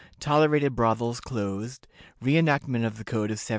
Tolerated Brothels closed. Re enactment of the Code of 1792.